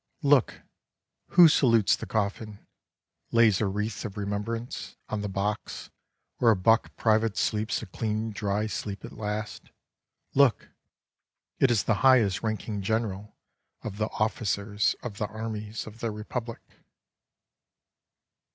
And So To day 23 Look — who salutes the coffin — lays a wreath of remembrance on the box where a buck private sleeps a clean dry sleep at last — look — it is the highest ranking general of the officers of the armies of the Republic.